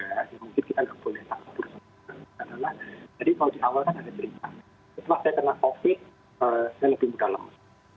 setelah saya kena covid saya lebih mudah lemas